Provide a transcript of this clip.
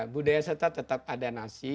budaya serta tetap ada nasi